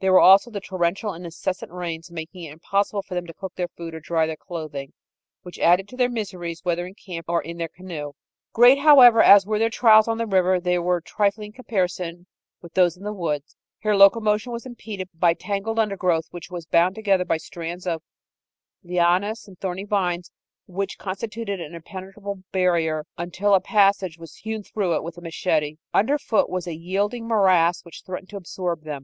There were also the torrential and incessant rains making it impossible for them to cook their food or dry their clothing which added to their miseries whether in camp or in their canoe. Great, however, as were their trials on the river, they were trifling in comparison with those in the woods. Here locomotion was impeded by tangled undergrowth which was bound together by strands of lianas and thorny vines which constituted an impenetrable barrier until a passage was hewn through it with a machete. Under foot was a yielding morass which threatened to absorb them.